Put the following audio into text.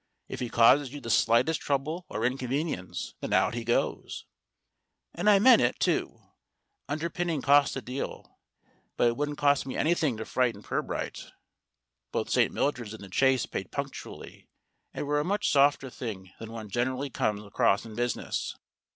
If he causes you the slightest trouble or inconvenience, then out he goes." And I meant it, too. Under pinning costs a deal, but it wouldn't cost me anything to frighten Pirbright. Both St. Mildred's and The Chase paid punctually, and were a much softer thing than one generally comes across in business.